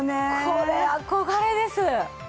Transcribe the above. これ憧れです。